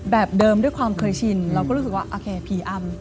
แบบเดิมด้วยความเคยชินเราก็รู้สึกว่าโอเคผีอำ